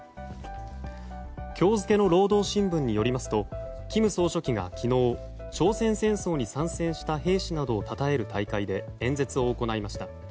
今日付の労働新聞によりますと金総書記が昨日朝鮮戦争に参戦した兵士などをたたえる大会で演説を行いました。